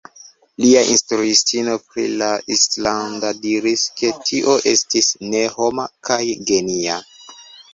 Lia instruistino pri la islanda diris ke tio estis "ne homa" kaj "genia".